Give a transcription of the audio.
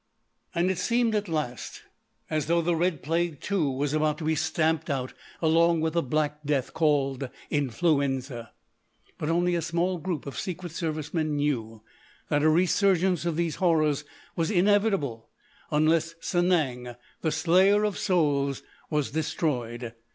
And it seemed, at last, as though the Red Plague, too, was about to be stamped out along with the Black Death called Influenza. But only a small group of Secret Service men knew that a resurgence of these horrors was inevitable unless Sanang, the Slayer of Souls, was destroyed.